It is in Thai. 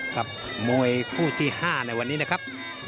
กับมวยคู่ที่๕ในวันนี้นะครับ